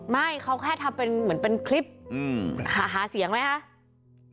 ไม่เขาแค่ทำเป็นเหมือนเป็นคลิปหาเสียงไหมคะ